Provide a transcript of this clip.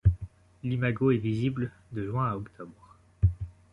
L'imago est visible de juin à octobre.